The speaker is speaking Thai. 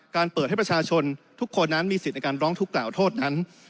เปิดให้ประชาชนทุกคนนั้นมีสิทธิ์ในการร้องทุกขล่าโทษนั้น